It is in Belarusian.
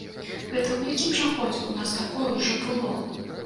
Гэта ў якім жа годзе ў нас такое ўжо было?